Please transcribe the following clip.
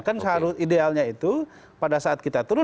kan seharusnya idealnya itu pada saat kita turun